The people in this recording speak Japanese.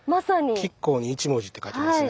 「亀甲に一文字」って書いてますね。